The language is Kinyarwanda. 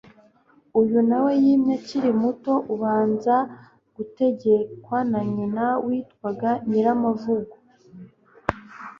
uyu na we yimye akiri muto abanza gutegekerwa na nyina witwaga nyiramavugo